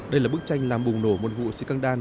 đây là bức tranh làm bùng nổ một vụ xích căng đan